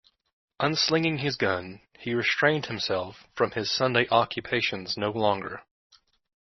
Unslinging his gun, he restrained himself from his Sunday occupations no longer.